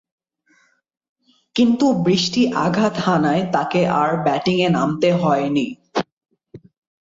কিন্তু বৃষ্টি আঘাত হানায় তাকে আর ব্যাটিংয়ে নামতে হয়নি।